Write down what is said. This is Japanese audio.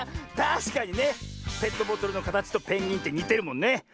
たしかにねペットボトルのかたちとペンギンってにてるもんね。